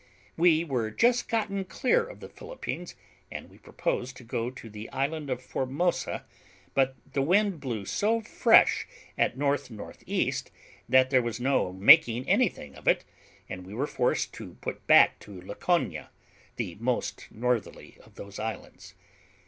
We were just gotten clear of the Philippines, and we purposed to go to the isle of Formosa, but the wind blew so fresh at N.N.E. that there was no making anything of it, and we were forced to put back to Laconia, the most northerly of those islands.